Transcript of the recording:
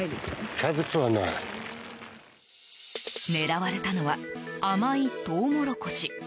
狙われたのは甘いトウモロコシ。